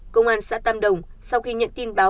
công an xã tam đồng sau khi nhận tin báo